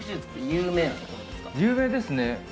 有名ですね。